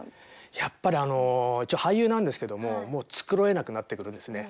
やっぱりあの一応俳優なんですけどももう繕えなくなってくるんですね。